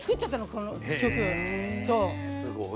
この曲。